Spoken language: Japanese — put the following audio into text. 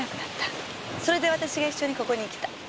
それで私が一緒にここに来た。